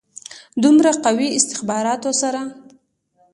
دومره قوي استخباراتو سره.